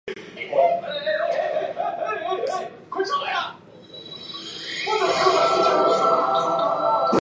仕于赤松晴政。